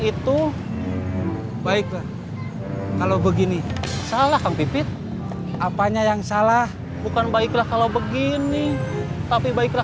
itu baiklah kalau begini salah kang pipit apanya yang salah bukan baiklah kalau begini tapi baiklah